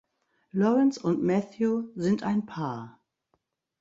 Laurence und Matthieu sind ein Paar.